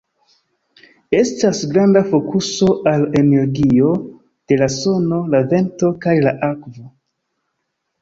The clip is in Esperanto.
Estas granda fokuso al energio de la sono, la vento, kaj la akvo.